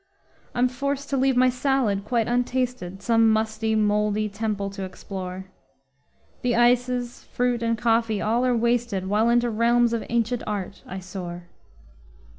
I'm forced to leave my salad quite untasted, Some musty, moldy temple to explore. The ices, fruit and coffee all are wasted While into realms of ancient art I soar.